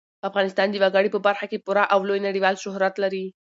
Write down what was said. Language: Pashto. افغانستان د وګړي په برخه کې پوره او لوی نړیوال شهرت لري.